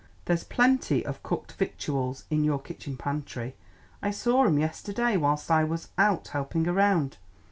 There's plenty of cooked victuals in your kitchen pantry; I saw 'em yesterday whilst I was out helping around.